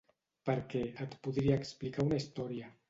Per què, et podria explicar una història.